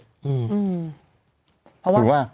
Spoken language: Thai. หรือว่า